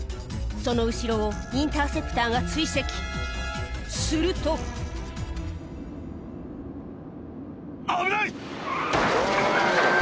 その後ろをインターセプターが追跡すると危ない！